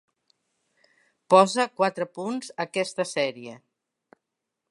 Posa quatre punts a aquesta sèrie